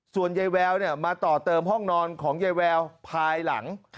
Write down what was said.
ส่วนยายแววมาต่อเติมห้องนอนของยายแววภายหลัง